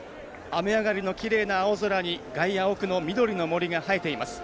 雨上がりのきれいな青空に外野奥の緑の森が映えています。